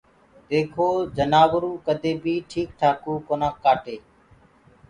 ديکو جنآوروُ ڪدي بيٚ ٺيڪ ٺآڪوُ ڪونآ ڪآٽي